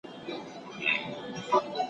د بې وزلو خلګو ږغ باید واورېدل سي.